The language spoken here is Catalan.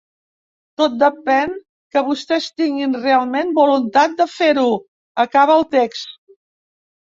Tot depèn que vostès tinguin, realment, voluntat de fer-ho, acaba el text.